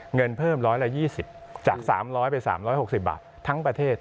เงินเพิ่ม๑๒๐จาก๓๐๐ไป๓๖๐บาททั้งประเทศ